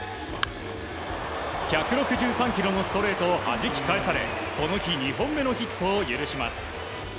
１６３キロのストレートをはじき返されこの日、２本目のヒットを許します。